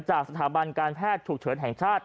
สถาบันการแพทย์ฉุกเฉินแห่งชาติ